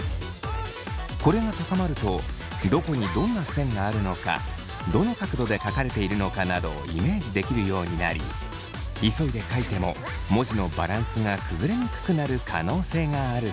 これが高まるとどこにどんな線があるのかどの角度で書かれているのかなどをイメージできるようになり急いで書いても文字のバランスが崩れにくくなる可能性があるそう。